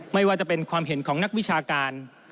ไม่ว่าจะเป็นความเห็นของนักวิชาการ